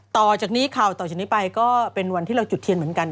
ต่อจากนี้ไปก็เป็นวันที่เราจุดเทียนเหมือนกัน